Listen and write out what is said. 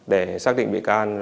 để xác định bị can